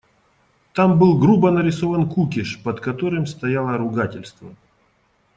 Там был грубо нарисован кукиш, под которым стояло ругательство.